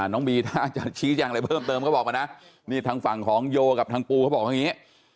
น้องบีถ้าจะชี้แจงอะไรเพิ่มเติมก็บอกมานะนี่ทางฝั่งของโยกับทางปูเขาบอกอย่างนี้